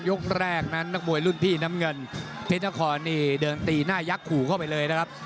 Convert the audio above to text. ยกแรกนั้นนักมวยรุ่นพี่น้ำเงินเพชรนครนี่เดินตีหน้ายักษ์ขู่เข้าไปเลยนะครับ